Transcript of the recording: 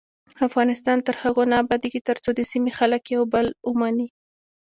افغانستان تر هغو نه ابادیږي، ترڅو د سیمې خلک یو بل ومني.